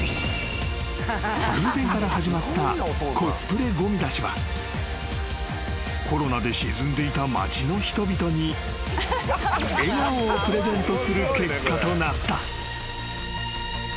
［偶然から始まったコスプレごみ出しはコロナで沈んでいた町の人々に笑顔をプレゼントする結果となった］